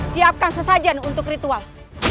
siapkan sesajian untuk ritual